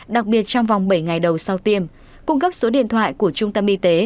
đặc biệt trong vòng bảy ngày đầu sau tiêm cung cấp số điện thoại của trung tâm y tế